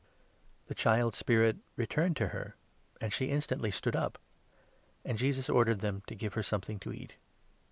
The child's spirit returned to her, and she instantly stood up ; 55 and Jesus ordered them to give her something to eat.